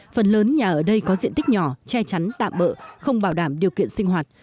phần lớn nhà ở đây có diện tích nhỏ che chắn tạm bỡ không bảo đảm điều kiện sinh hoạt